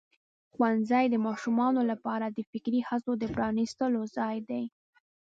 ښوونځی د ماشومانو لپاره د فکري هڅو د پرانستلو ځای دی.